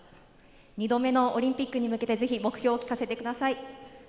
２度目のオリンピックに向けて目標を聞かせてください。